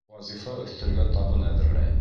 Вазифа өҫтәлгә табын әҙерләй.